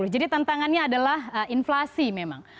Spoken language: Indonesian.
jadi tantangannya adalah inflasi memang